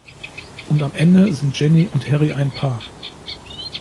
Und am Ende sind Jenny und Harry ein Paar.